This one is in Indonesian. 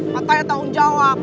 matanya tahun jawab